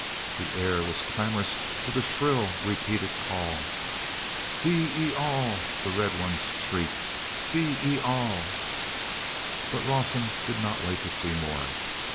The air was clamorous with a shrill repeated call. "Phee e al!" the red ones shrieked. "Phee e al!" But Rawson did not wait to see more.